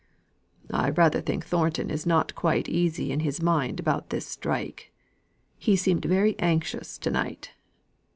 "I rather think Thornton is not quite easy in his mind about this strike. He seemed very anxious to night."